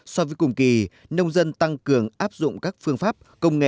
so với cùng kỳ nông dân tăng cường áp dụng các phương pháp công nghệ